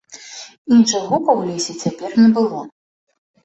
Іншых гукаў у лесе цяпер не было.